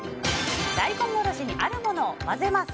大根おろしにあるものを混ぜます。